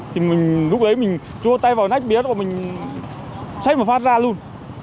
thì lúc đấy mình chua tay vào nách bía rồi mình xách mà phát ra luôn